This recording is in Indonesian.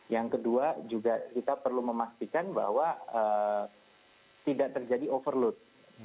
yang kedua juga kita perlu memastikan bahwa tidak terjadi overload